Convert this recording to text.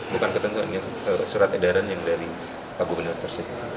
bukan ketentuan ini surat edaran yang dari pak gubernur tersedia